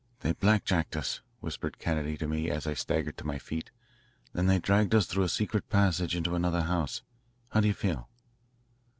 "They blackjacked us," whispered Kennedy to me as I staggered to my feet. "Then they dragged us through a secret passage into another house. How do you feel?"